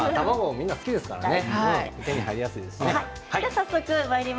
みんな卵は好きですからね。